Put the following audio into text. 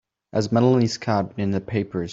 Has Melanie Scott been in the papers?